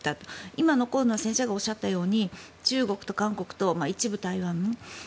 今残るのは先生がおっしゃったように中国と韓国と一部台湾。